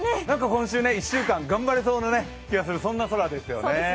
今週１週間、頑張れそうな気がする、そんな空ですね。